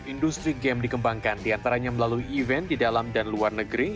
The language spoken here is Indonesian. industri game dikembangkan diantaranya melalui event di dalam dan luar negeri